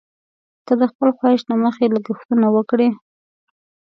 که د خپل خواهش له مخې لګښتونه وکړي.